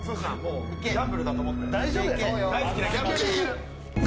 ギャンブルだと思って。